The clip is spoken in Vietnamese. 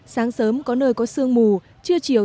sáng sớm có nơi có sương mù trê chiều